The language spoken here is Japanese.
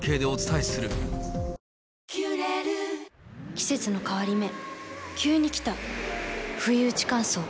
季節の変わり目急に来たふいうち乾燥。